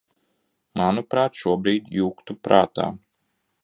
Manuprāt, šobrīd juktu prātā.